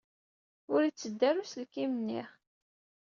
Ur yetteddu ara uselkim-nni.